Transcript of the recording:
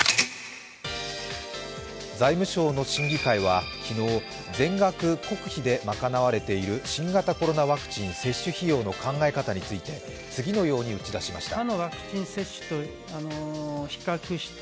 財務省の審議会は昨日、全額国費で賄われている新型コロナワクチン接種費用の考え方について次のように打ち出しました。